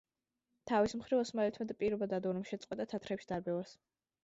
თავის მხრივ ოსმალეთმა პირობა დადო, რომ შეწყვეტდა თათრების დარბევას.